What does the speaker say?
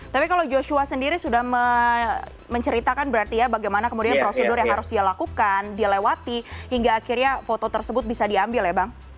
tapi kalau joshua sendiri sudah menceritakan berarti ya bagaimana kemudian prosedur yang harus dia lakukan dilewati hingga akhirnya foto tersebut bisa diambil ya bang